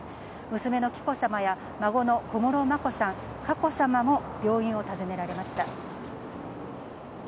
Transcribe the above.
娘の紀子さまや孫の小室眞子さん、佳子さまも病院を訪ねられました。